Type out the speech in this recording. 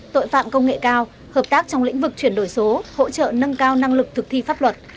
tội phạm công nghệ cao hợp tác trong lĩnh vực chuyển đổi số hỗ trợ nâng cao năng lực thực thi pháp luật